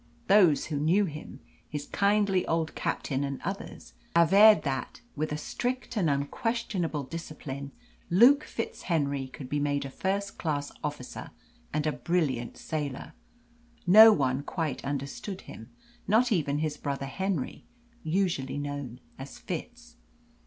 Those who knew him his kindly old captain and others averred that, with a strict and unquestionable discipline, Luke FitzHenry could be made a first class officer and a brilliant sailor. No one quite understood him, not even his brother Henry, usually known as Fitz.